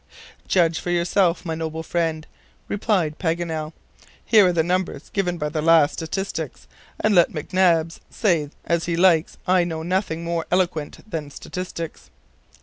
"Judge for yourself, my noble friend," replied Paganel. "Here are the numbers given by the last statistics; and let McNabbs say as he likes, I know nothing more eloquent than statistics."